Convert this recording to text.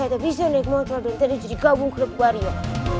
saya tak bisa naik motor dan tata jadi gabung klub warian